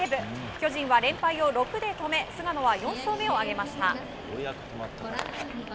巨人は連敗を６で止め菅野は４勝目を挙げました。